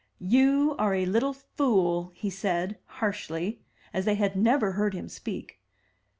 "You are a little fool," he said, harshly, as they had never heard him speak.